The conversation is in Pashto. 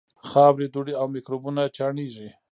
خاورې، دوړې او میکروبونه چاڼېږي.